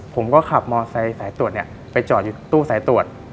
ผมก็ขับมอเซสายตรวจไปจอดอยู่ตู้สายตรวจ